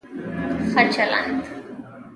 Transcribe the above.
ښه چلند